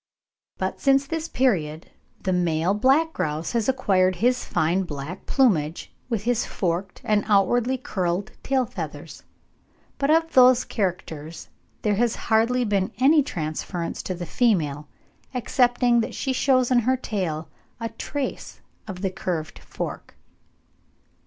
But since this period the male black grouse has acquired his fine black plumage, with his forked and outwardly curled tail feathers; but of these characters there has hardly been any transference to the female, excepting that she shews in her tail a trace of the curved fork.